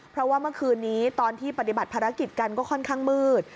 เพราะว่าเมื่อคืนนี้ตอนที่ปฏิบัติภารกิจกันก็ค่อนข้างมืด